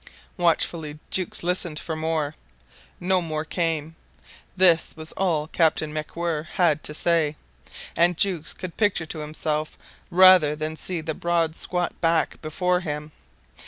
Watchfully Jukes listened for more. No more came. This was all Captain MacWhirr had to say; and Jukes could picture to himself rather than see the broad squat back before him.